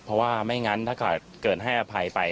เพราะว่าไม่งั้นถ้าเกิดให้อภัยไป